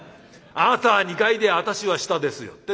あなたは２階で私は下ですよ」